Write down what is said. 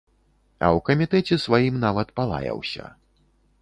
А ў камітэце сваім нават палаяўся.